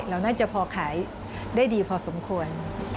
เราน่าจะพอขายได้ดีพอสมควร